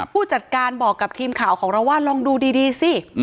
ผู้จัดการบอกกับทีมข่าวของเราว่าลองดูดีสิ